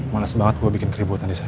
males banget gue bikin keributan di sana